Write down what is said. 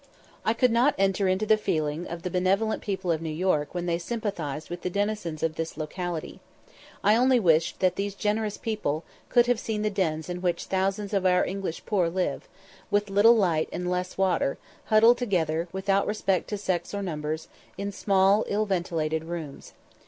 I could not enter into the feelings of the benevolent people of New York when they sympathised with the denizens of this locality. I only wished that these generous people could have seen the dens in which thousands of our English poor live, with little light and less water, huddled together, without respect to sex or numbers, in small, ill ventilated rooms.